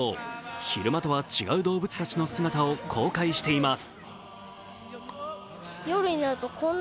昼間とは違う動物たちの姿を公開しています。